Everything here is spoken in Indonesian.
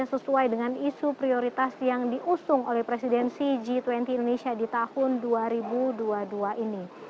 sesuai dengan isu prioritas yang diusung oleh presidensi g dua puluh indonesia di tahun dua ribu dua puluh dua ini